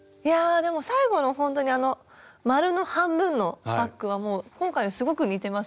でも最後のほんとに丸の半分のバッグは今回すごく似てますね。